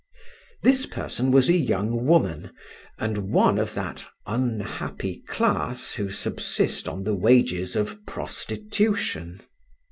This person was a young woman, and one of that unhappy class who subsist upon the wages of prostitution.